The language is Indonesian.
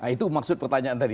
itu maksud pertanyaan tadi